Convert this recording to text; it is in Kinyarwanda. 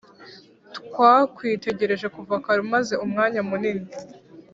twakwitegereje kuva kare umaze umwanya munini